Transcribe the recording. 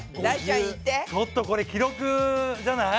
ちょっとこれ記録じゃない？